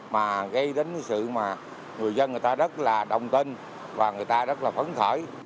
mà gây đến cái sự mà người dân người ta rất là đồng tin và người ta rất là phấn khởi